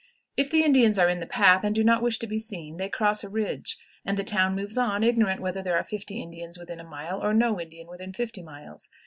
"If the Indians are in the path and do not wish to be seen, they cross a ridge, and the town moves on, ignorant whether there are fifty Indians within a mile or no Indian within fifty miles.